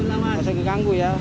masih keganggu ya